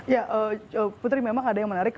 ya putri memang ada yang menarik